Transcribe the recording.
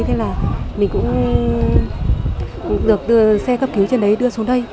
thế là mình cũng được đưa xe cấp cứu trên đấy đưa xuống đây